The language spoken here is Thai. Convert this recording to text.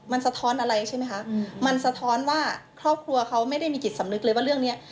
มันสะท้อนอะไรใช่ไหมคะมันสะท้อนว่าครอบครัวเขาไม่ได้มีจิตสำนึกเลยว่าเรื่องนี้